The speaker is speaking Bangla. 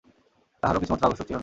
তাহারও কিছুমাত্র আবশ্যক ছিল না।